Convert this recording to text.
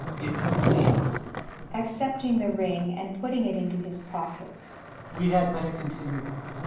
... If you please ! Hummel. [Accepting the ring and putting it into his pocket] We had better continue.